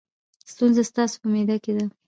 ستونزه ستاسو په معده کې ده.